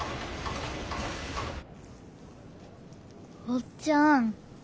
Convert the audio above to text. おっちゃん。